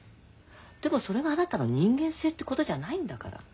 でもそれがあなたの人間性ってことじゃないんだから。